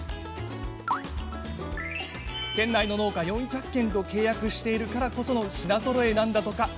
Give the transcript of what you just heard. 県内の農家４００軒と契約しているからこその品ぞろえなんだとか。